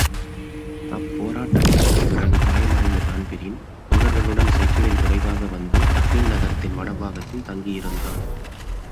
அப்போராட்டத்திற்குப் பிறகு காயமடைந்த தான்பிரீன் தோழர்களுடன் சைக்கிளில் விரைவாக வந்து டப்ளின் நகரத்தின் வடபாகத்தில் தங்கியிருந்தான்.